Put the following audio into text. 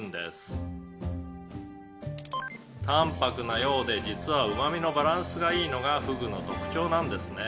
「淡泊なようで実はうま味のバランスがいいのがフグの特徴なんですね」